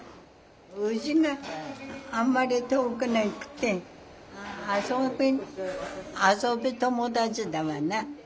うちがあんまり遠くなくて遊び遊び友達だわな。